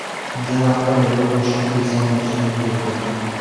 دا عمل د بل غوښتلې ځان وژنې بېلګه ده.